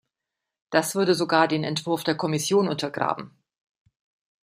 Das würde sogar den Entwurf der Kommission untergraben.